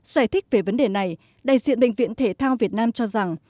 giải thích về vấn đề này đại diện bệnh viện thể thao việt nam cho rằng